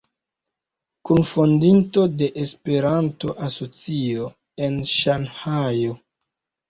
Kunfondinto de Esperanto Asocio en Ŝanhajo.